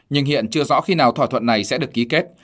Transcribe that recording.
nhưng hiện chưa rõ khi nào thỏa thuận này sẽ được ký kết